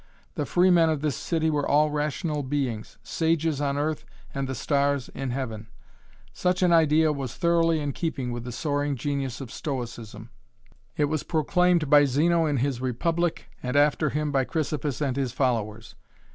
The freemen of this city were all rational beings sages on earth and the stars in heaven. Such an idea was thoroughly in keeping with the soaring genius of Stoicism. It was proclaimed by Zeno in his Republic, and after him by Chrysippus and his followers.